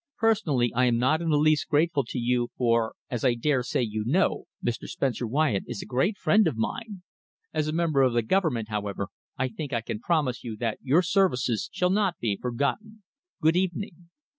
Personally, I am not in the least grateful to you, for, as I dare say you know, Mr. Spencer Wyatt is a great friend of mine. As a member of the Government, however, I think I can promise you that your services shall not be forgotten. Good evening!"